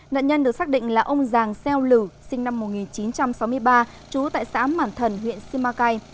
nạn nhân được xác định là ông giàng xeo lử sinh năm một nghìn chín trăm sáu mươi ba trú tại xã mản thần huyện simacai